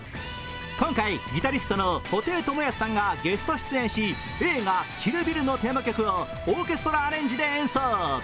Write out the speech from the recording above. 今回、ギタリストの布袋寅泰さんがゲスト出演し映画「キル・ビル」のテーマ曲をオーケストラアレンジで演奏。